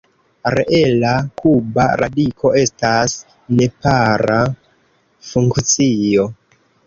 Reela kuba radiko estas nepara funkcio.